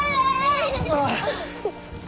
ああ。